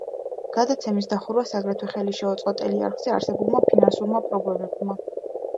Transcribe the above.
გადაცემის დახურვას აგრეთვე ხელი შეუწყო ტელეარხზე არსებულმა ფინანსურმა პრობლემებმა.